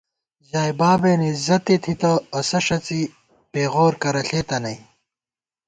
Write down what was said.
ژائے بابېن عِزتے تھِتہ ، اسہ ݭڅی پېغور کرہ ݪېتہ نئی